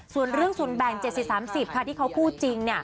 ส่วนเรื่องศูนย์แบ่ง๗๐๓๐ที่เขาพูดจริง